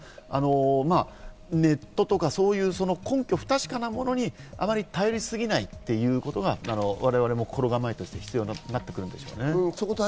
ネットとか根拠が不確かなものにあまり頼りすぎないということが我々も心構えとして必要になってくるでしょうね。